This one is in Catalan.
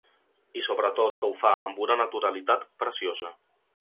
I sobretot que ho fa amb una naturalitat preciosa.